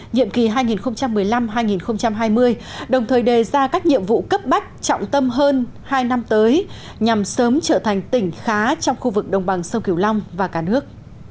nhiệm kỳ hai nghìn một mươi năm hai nghìn hai mươi đồng thời đề ra các nhiệm vụ cấp bách trọng tâm hơn hai năm tới nhằm sớm trở thành tỉnh khá trong khu vực đồng bằng sông kiều long và cả nước